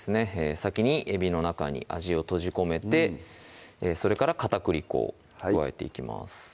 先にえびの中に味を閉じ込めてそれから片栗粉を加えていきます